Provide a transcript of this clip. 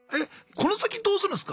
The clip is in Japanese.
この先どうするんすか？